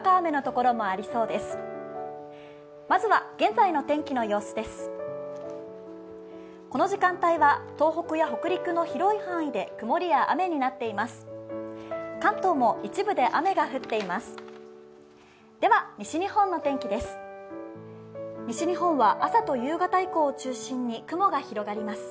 この時間帯は東北や北陸の広い範囲で雨が降っています。